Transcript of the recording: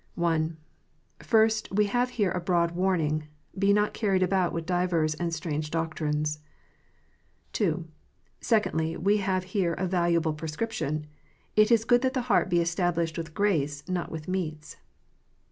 I. First, we have here a broad warning : "Be not carried about with divers and strange doctrines." II. Secondly, we have here a valuable prescription : "It is good that the heart be established with grace, not with meats."